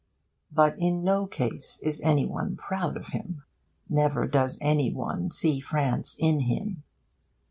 But in no case is any one proud of him. Never does any one see France in him.